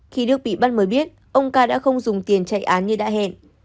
khi đức bị bắt mới biết ông ca đã không dùng tiền chạy án như đã hẹn